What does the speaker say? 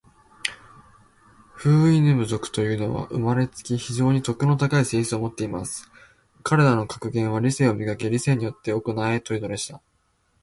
フウイヌム族というのは、生れつき、非常に徳の高い性質を持っています。彼等の格言は、『理性を磨け。理性によって行え。』というのでした。